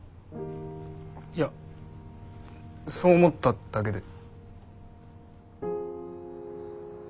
いやそう思っただけで。